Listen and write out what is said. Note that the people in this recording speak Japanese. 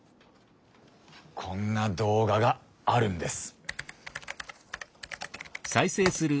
こんな動画があるんです。